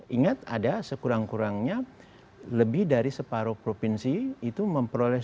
ingat ada sekurang kurangnya lebih dari separuh provinsi itu memperoleh